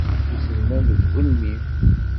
Iselman deg ugelmim.